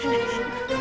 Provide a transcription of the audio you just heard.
ya allah nek